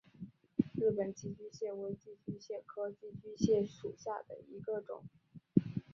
日本寄居蟹为寄居蟹科寄居蟹属下的一个种。